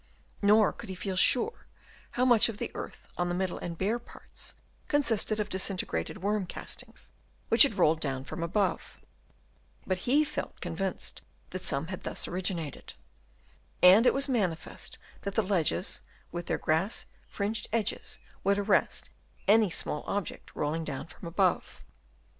Nor could he feel sure how much of the earth on the middle and bare parts, consisted of disintegrated worm castings which had rolled down from above ; but he felt convinced that some had thus originated ; and it was manifest that the ledges with their grass fringed edges would arrest any small object rolling down from above.